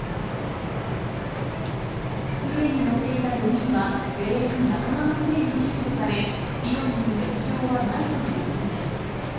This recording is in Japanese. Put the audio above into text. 船に乗っていた４人は、全員仲間の船に救助され、命に別状はないということです。